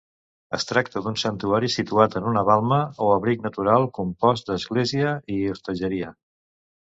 Es tracta d'un santuari situat en una balma o abric natural, compost d'església i hostatgeria.